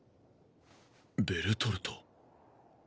ベルトルト。